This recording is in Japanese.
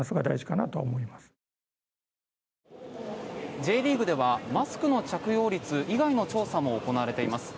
Ｊリーグではマスクの着用率以外の調査も行われています。